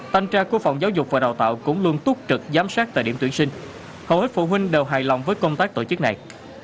thanh tra của phòng giáo dục và đào tạo cũng luôn túc trực giám sát tại điểm tuyển sinh hầu hết phụ huynh đều hài lòng với công tác tổ chức này